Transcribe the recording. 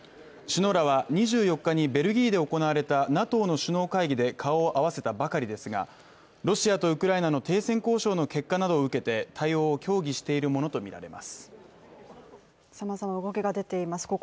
首脳らは２４日にベルギーで行われたＮＡＴＯの首脳会議で顔を合わせたばかりですがロシアとウクライナの停戦交渉の結果などを受けて対応を協議しているものとみられます。